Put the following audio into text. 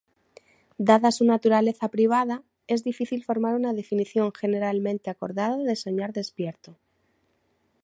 Dada su naturaleza privada, es difícil formar una definición generalmente acordada de soñar despierto.